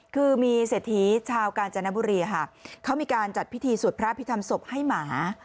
คือมีเศรษฐีชาวกาญจนบุรีค่ะเขามีการจัดพิธีสวดพระพิธรรมศพให้หมา